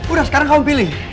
udah sekarang kamu pilih